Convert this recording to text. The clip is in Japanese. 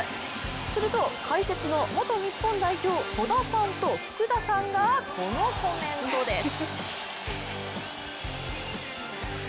すると、解説の元日本代表戸田さんと福田さんがこのコメントです。